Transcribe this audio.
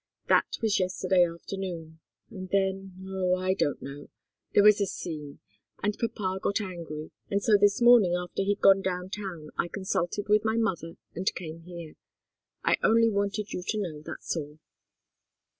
That was yesterday afternoon. And then oh, I don't know there was a scene, and papa got angry, and so this morning after he'd gone down town I consulted with my mother and came here. I only wanted you to know that's all."